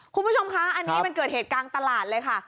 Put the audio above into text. คุณผู้ชมคะอันนี้มันเกิดเหตุกลางตลาดเลยค่ะ